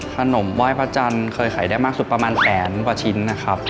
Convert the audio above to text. ขนมไหว้พระจันทร์เคยขายได้มากสุดประมาณแสนกว่าชิ้นนะครับ